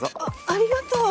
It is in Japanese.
ありがとう。